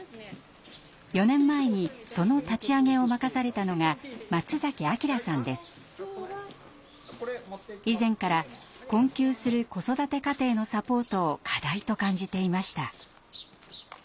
４年前にその立ち上げを任されたのが以前から困窮する子育て家庭のサポートを課題と感じていました。